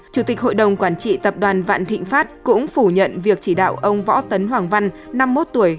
chủ tịch hội đồng quản trị tập đoàn vạn thịnh pháp cũng phủ nhận việc chỉ đạo ông võ tấn hoàng văn năm mươi một tuổi